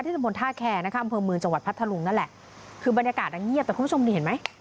ตะบนท่าแคร์นะคะอำเภอเมืองจังหวัดพัทธลุงนั่นแหละคือบรรยากาศอ่ะเงียบแต่คุณผู้ชมนี่เห็นไหม